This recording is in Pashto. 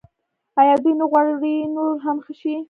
آیا دوی نه غواړي نور هم ښه شي؟